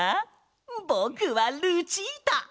ぼくはルチータ。